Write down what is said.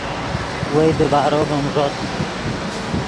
وئے دیبارو ڤیم ݱوت